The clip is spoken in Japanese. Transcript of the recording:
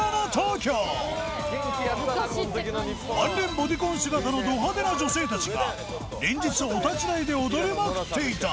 ワンレンボディコン姿のド派手な女性たちが連日お立ち台で踊りまくっていた